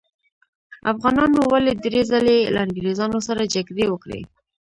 افغانانو ولې درې ځلې له انګریزانو سره جګړې وکړې؟